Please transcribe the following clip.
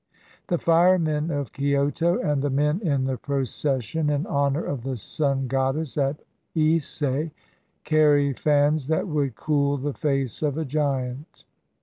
The firemen of Kioto, and the men in the procession in honor of the Sun Goddess at Ise, carry fans that would cool the face of a giant.